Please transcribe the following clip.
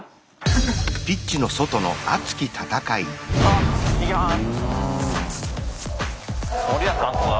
あっ行きます。